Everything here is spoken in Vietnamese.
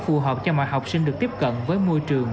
phù hợp cho mọi học sinh được tiếp cận với môi trường